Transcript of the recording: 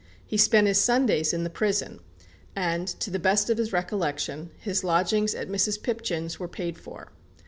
He spent his Sundays in the prison, and, to the best of his recollection, his lodgings at "Mrs. Pipchin's" were paid for.